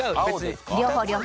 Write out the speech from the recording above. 両方両方。